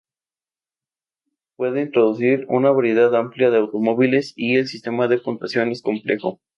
Pueden conducir una variedad amplia de automóviles y el sistema de puntuación es complejo.